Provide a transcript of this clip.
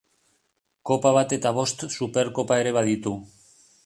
Kopa bat eta bost Superkopa ere baditu.